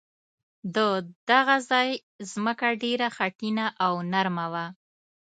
د دغه ځای ځمکه ډېره خټینه او نرمه وه.